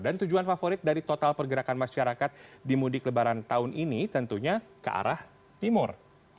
dan tujuan favorit dari total pergerakan masyarakat di mudik lebaran tahun ini tentunya ke arah timur